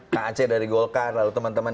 kac dari golkar lalu teman teman